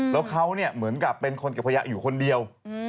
แล้วเขาเหมือนกับเป็นคนเก็บขยะอยู่คนเดียว